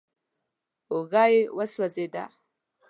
اوږه يې وسوځېده.